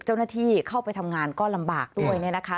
เจ้าหน้าที่เข้าไปทำงานก็ลำบากด้วยเนี่ยนะคะ